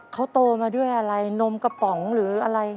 เขาโตมาด้วยอะไรนมกระป๋องหรืออะไร